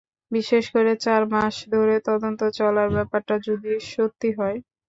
বিশেষ করে চার মাস ধরে তদন্ত চলার ব্যাপারটা যদি সত্যি হয়।